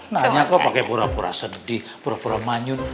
nanya kok pake pura pura sedih pura pura manyun